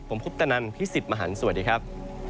ผมพุทธนันทร์พิสิทธิ์มหันต์สวัสดีครับ